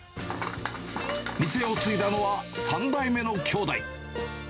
店を継いだのは３代目の兄弟。